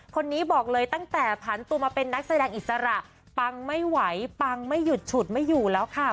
คนนี้บอกเลยตั้งแต่ผันตัวมาเป็นนักแสดงอิสระปังไม่ไหวปังไม่หยุดฉุดไม่อยู่แล้วค่ะ